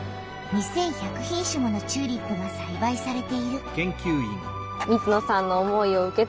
２，１００品種ものチューリップがさいばいされている。